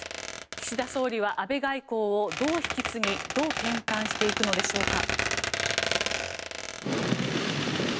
岸田総理は安倍外交をどう引き継ぎどう転換していくのでしょうか。